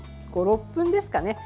５６分ですかね。